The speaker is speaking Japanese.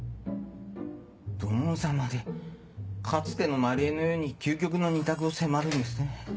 土門さんまでかつての万里江のように究極の２択を迫るんですね。